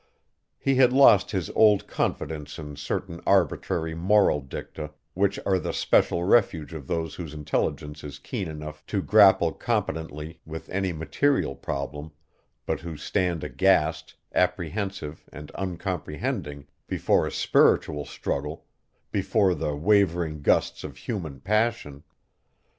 He had lost his old confidence in certain arbitrary moral dicta which are the special refuge of those whose intelligence is keen enough to grapple competently with any material problem but who stand aghast, apprehensive and uncomprehending, before a spiritual struggle, before the wavering gusts of human passion.